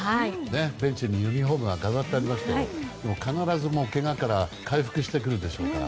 ベンチにユニホームが飾ってありましたが必ず、けがから回復してくるでしょうから。